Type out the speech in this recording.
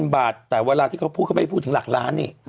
บาทแต่เวลาที่เขาพูดเขาไม่พูดถึงหลักล้านนี่